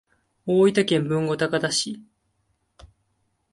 大分県豊後高田市